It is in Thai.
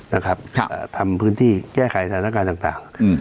นะครับครับเอ่อทำพื้นที่แก้ไขธนการต่างต่างอืม